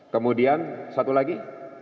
kemudian satu lagi